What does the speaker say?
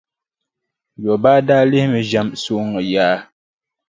Yobaa daa lihimi ʒɛm sooŋa yaa.